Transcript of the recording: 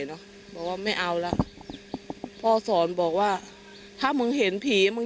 เนอะบอกว่าไม่เอาละพ่อสอนบอกว่าถ้ามึงเห็นผีมึง